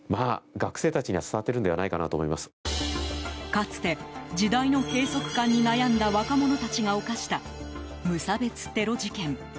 かつて、時代の閉塞感に悩んだ若者たちが犯した無差別テロ事件。